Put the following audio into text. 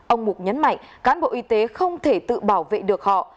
ông mục nhấn mạnh cán bộ y tế không thể tự bảo vệ được họ